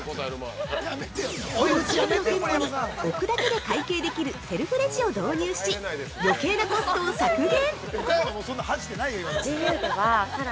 さらに、置くだけで会計できるセルフレジを導入し余計なコストを削減。